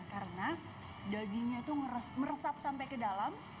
karena dagingnya itu meresap sampai ke dalam